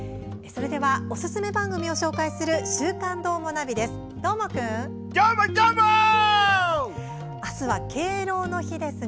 それではおすすめ番組を紹介する「週刊どーもナビ」です。